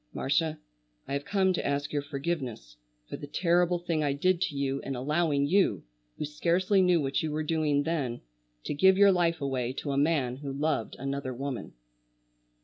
"Marcia, I have come to ask your forgiveness for the terrible thing I did to you in allowing you, who scarcely knew what you were doing then, to give your life away to a man who loved another woman."